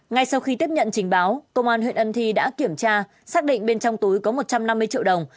ngay sau khi tiếp nhận trình báo công an huyện ân thi đã kiểm tra xác định bên trong túi có một trăm năm mươi triệu đồng